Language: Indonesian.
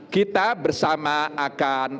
kita bersama akan